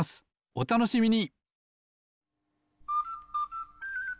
おたのしみに！